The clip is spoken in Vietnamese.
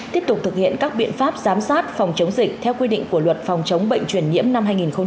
tiếp tục thực hiện các biện pháp giám sát phòng chống dịch theo quy định của luật phòng chống bệnh truyền nhiễm năm hai nghìn bảy